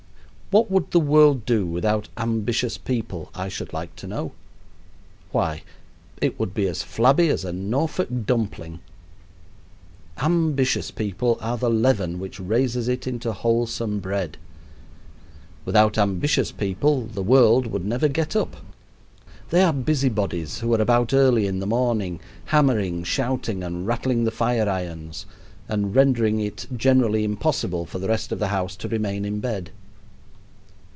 What would the world do without ambitious people, I should like to know? Why, it would be as flabby as a Norfolk dumpling. Ambitious people are the leaven which raises it into wholesome bread. Without ambitious people the world would never get up. They are busybodies who are about early in the morning, hammering, shouting, and rattling the fire irons, and rendering it generally impossible for the rest of the house to remain in bed.